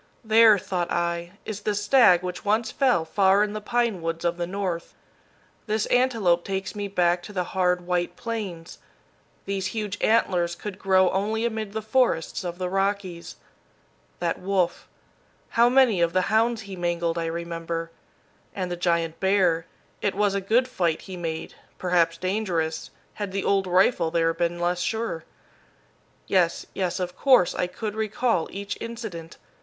"There," thought I, "is the stag which once fell far in the pine woods of the North. This antelope takes me back to the hard, white Plains. These huge antlers could grow only amid the forests of the Rockies. That wolf how many of the hounds he mangled, I remember; and the giant bear, it was a good fight he made, perhaps dangerous, had the old rifle there been less sure. Yes, yes, of course, I could recall each incident.